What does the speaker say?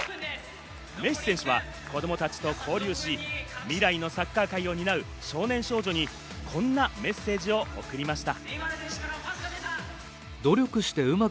メッシ選手は子供たちと交流し、未来のサッカー界を担う少年少女にこんなメッセージを送りました。